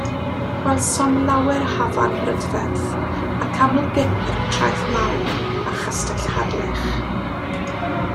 Gwelsom lawer hafan brydferth, ac aml gip ar y Traeth Mawr a Chastell Harlech.